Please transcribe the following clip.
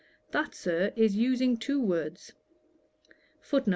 'That, Sir, is using two words.'